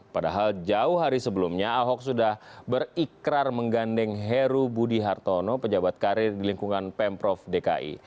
padahal jauh hari sebelumnya ahok sudah berikrar menggandeng heru budi hartono pejabat karir di lingkungan pemprov dki